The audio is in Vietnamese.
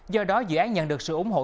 do đó dự án nhận được sự ủng hộ